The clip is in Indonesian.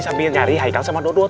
sambil nyari haikal sama dodot